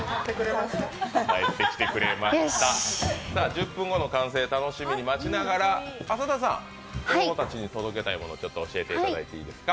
１０分後の完成を楽しみに待ちながら、浅田さん子ども達に届けたいもの、教えていただいていいですか？